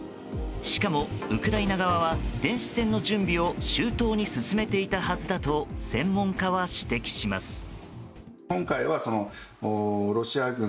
しかも、ウクライナ側は電子戦の準備を周到に進めていたはずだと専門家は指摘します。